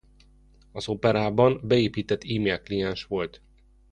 Az Operában beépített e-mail kliens volt.